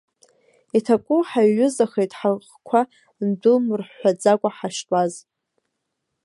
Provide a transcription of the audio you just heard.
Иҭаку ҳаиҩызахеит ҳахқәа ндәылмырҳәҳәаӡакәа ҳаштәаз.